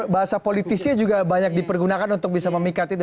bahasa politisnya juga banyak dipergunakan untuk bisa memikat itu